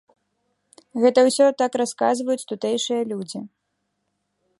Гэта ўсё так расказваюць тутэйшыя людзі.